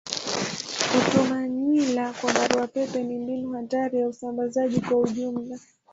Kutuma nywila kwa barua pepe ni mbinu hatari ya usambazaji kwa ujumla.